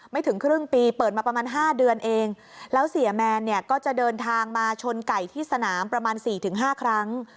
ถึงครึ่งปีเปิดมาประมาณ๕เดือนเองแล้วเสียแมนเนี่ยก็จะเดินทางมาชนไก่ที่สนามประมาณสี่ถึงห้าครั้ง